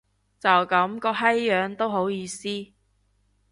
就噉個閪樣都好意思